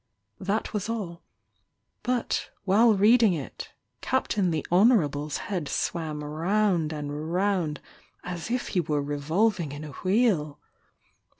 That was all,— but while reading it. Captain the Honourable's head swam round and round as if he were revolving in a wheel.